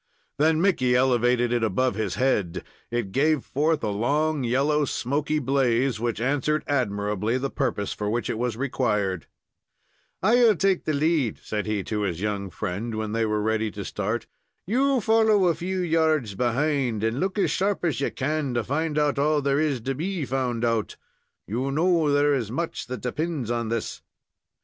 Then Mickey elevated it above his head, it gave forth a long yellow smoke blaze, which answered admirably the purpose for which it was required. "I'll take the lead," said he to his young friend, when they were ready to start. "You follow a few yards behind and look as sharp as you can to find out all there is to be found out. You know there is much that depends on this."